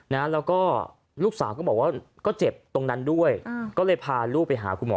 นะแล้วก็ลูกสาวก็บอกว่าก็เจ็บตรงนั้นด้วยก็เลยพาลูกไปหาคุณหมอ